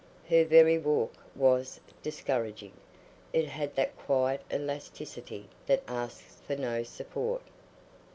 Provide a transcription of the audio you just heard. Her very walk was discouraging: it had that quiet elasticity that asks for no support.